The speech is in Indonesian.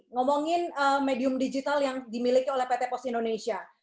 ngomongin medium digital yang dimiliki oleh pt pos indonesia